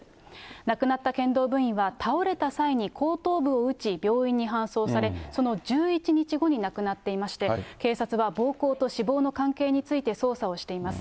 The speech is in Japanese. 亡くなった剣道部員は、倒れた際に後頭部を打ち、病院に搬送され、その１１日後に亡くなっていまして、警察は暴行と死亡の関係について捜査をしています。